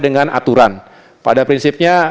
dengan aturan pada prinsipnya